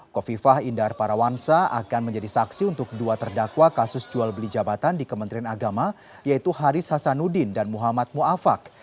kofifah indar parawansa akan menjadi saksi untuk dua terdakwa kasus jual beli jabatan di kementerian agama yaitu haris hasanuddin dan muhammad ⁇ muafak